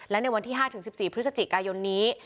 และในวันที่๕๑๔พฤศจิกายนนี้